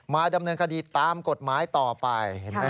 มาดำเนินคดีตามกฎหมายต่อไป